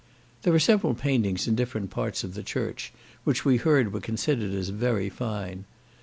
There are several paintings in different parts of the church, which we heard were considered as very fine.